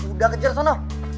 udah kejar sana